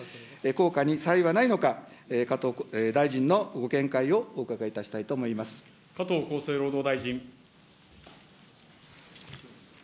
効果に差異はないのか、加藤大臣のご見解をお伺いいたしたいと思加藤厚生労働大臣。